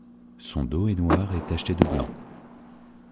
Son dos est noir et taché de blanc.